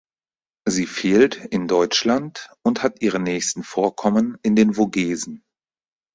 Sie fehlt in Deutschland und hat ihre nächsten Vorkommen in den Vogesen.